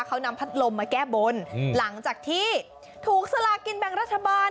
เขานำพัดลมมาแก้บนหลังจากที่ถูกสลากินแบ่งรัฐบาล